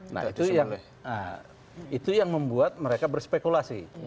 nah itu yang membuat mereka berspekulasi